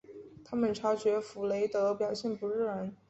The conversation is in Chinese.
他们察觉弗雷德表现不自然。